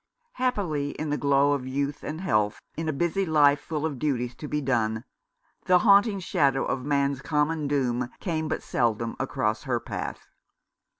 Happily, in the glow of youth and health, in a busy life full of duties to be done, the haunting shadow of man's common doom came but seldom across her path.